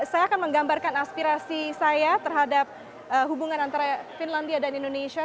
saya akan menggambarkan aspirasi saya terhadap hubungan antara finlandia dan indonesia